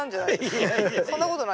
そんなことない？